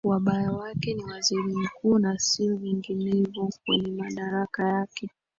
wabaya wake ni waziri mkuu na siyo vyinginevo Kwenye madaraka yake